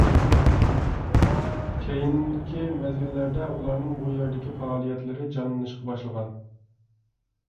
كېيىنىكى مەزگىللەردە ئۇلارنىڭ بۇ يەردىكى پائالىيەتلىرى جانلىنىشقا باشلىغان.